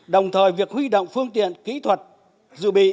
đồng thời việc huy động phương tiện kỹ thuật dự bị